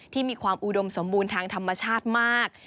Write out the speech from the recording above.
มีความอุดมสมบูรณ์ทางธรรมชาติมาก